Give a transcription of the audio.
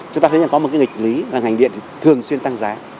chúng ta thấy là có một cái nghịch lý là ngành điện thì thường xuyên tăng giá